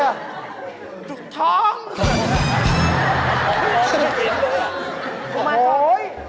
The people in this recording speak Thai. จุกช้อง